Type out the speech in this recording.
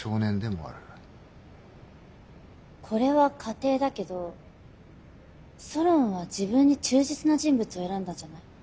これは仮定だけどソロンは自分に忠実な人物を選んだんじゃない？